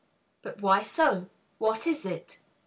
But why so? What is it?